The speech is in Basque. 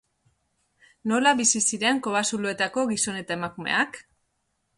Nola bizi ziren kobazuloetako gizon eta emakumeak?